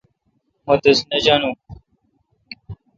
مہ تس نہ جانو۔